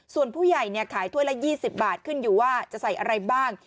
ส่วนผู้ใหญ่ขายถ้วยละ๒๐บาทขึ้นอยู่ว่าจะใส่อะไรบ้าง